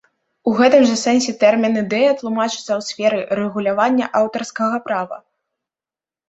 У гэтым жа сэнсе тэрмін ідэя тлумачыцца ў сферы рэгулявання аўтарскага права.